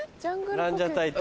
ランジャタイと。